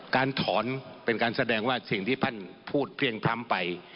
การถอนเป็นการแสดงว่าสิ่งที่ท่านพูดเพลี่ยงพร้ำไป